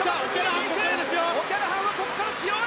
オキャラハンはここから強い！